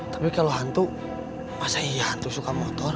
tapi kalau hantu masa iya hantu suka motor